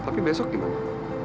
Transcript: tapi besok di mana